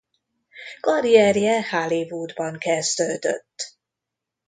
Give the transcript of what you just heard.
Karrierje Hollywoodban kezdődött.